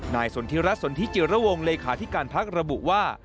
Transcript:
นายสนธิรัตน์สนธิจิรวงศ์เลขาธิการพักระบุว่า